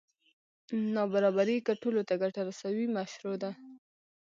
نابرابري که ټولو ته ګټه رسوي مشروع ده.